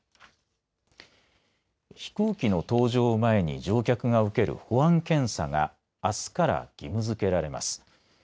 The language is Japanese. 飛行機の搭乗を前に乗客が受ける保安検査があすから義務づけられます。